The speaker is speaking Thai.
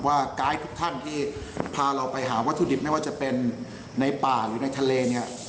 ไกด์ทุกท่านที่พาเราไปหาวัตถุดิบไม่ว่าจะเป็นในป่าหรือในทะเลเนี่ย